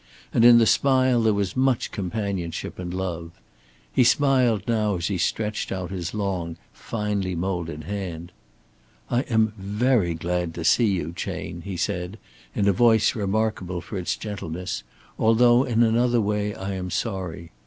And in the smile there was much companionship and love. He smiled now as he stretched out his long, finely molded hand. "I am very glad to see you, Chayne," he said, in a voice remarkable for its gentleness, "although in another way I am sorry.